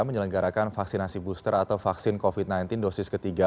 menyelenggarakan vaksinasi booster atau vaksin covid sembilan belas dosis ketiga